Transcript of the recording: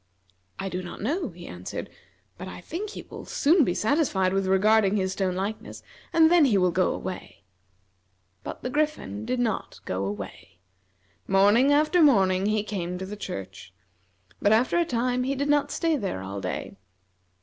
"I do not know," he answered, "but I think he will soon be satisfied with regarding his stone likeness, and then he will go away." But the Griffin did not go away. Morning after morning he came to the church, but after a time he did not stay there all day.